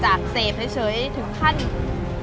จากเสพเลยเฉยถึงขั้น